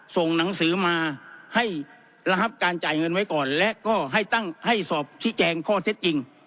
ส่งหนังสือมาให้ระงับการจ่ายเงินไว้ก่อนและก็ให้ตั้งให้สอบชี้แจงข้อเท็จจริง